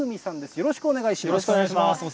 よろしくお願いします。